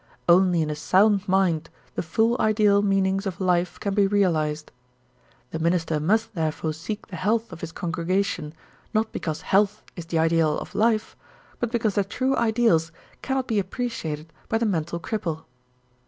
Only in a sound mind the full ideal meanings of life can be realized. The minister must therefore seek the health of his congregation not because health is the ideal of life but because the true ideals cannot be appreciated by the mental cripple.